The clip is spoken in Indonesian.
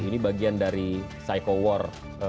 ini bagian dari psycho war